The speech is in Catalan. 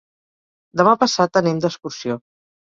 Demà passat anem d'excursió.